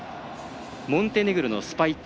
モンテネグロのスパイッチ。